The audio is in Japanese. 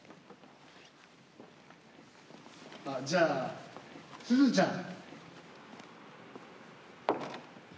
あっじゃあすずちゃん。